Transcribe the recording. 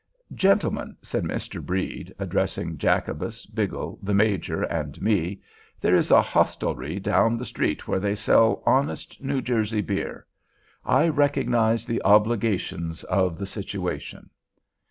"Gentlemen," said Mr. Brede, addressing Jacobus, Biggle, the Major and me, "there is a hostelry down the street where they sell honest New Jersey beer. I recognize the obligations of the situation."